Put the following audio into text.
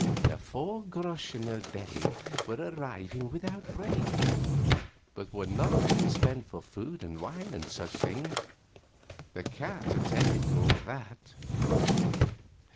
The four groschen a day were arriving without a break, but were not being spent for food and wine and such things the cat attended to all that.